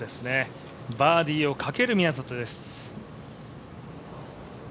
バーディーをかける宮里です。